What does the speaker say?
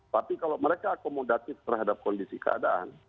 tapi kalau mereka akomodatif terhadap kondisi keadaan